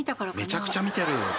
めちゃくちゃ見てる。